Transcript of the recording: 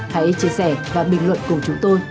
hãy chia sẻ và bình luận cùng chúng tôi